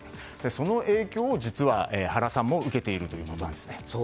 その影響を原さんも受けているということなんですね。